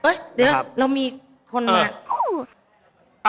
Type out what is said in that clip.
เอ๊ะเดี๋ยวเรามีคนมาอื้อ